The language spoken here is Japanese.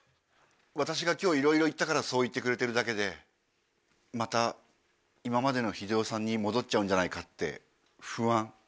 私が今日いろいろ言ったからそう言ってくれてるだけでまた今までの英男さんに戻っちゃうんじゃないかって不安。